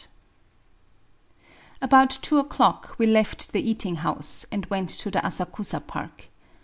^ About two o'clock we left the eating house, and went to the Asakusa park.